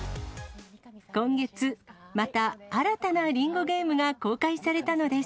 今月、また新たなりんごゲームが公開されたのです。